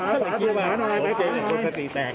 เมื่อเขาขึ้นมาตัวสติแตก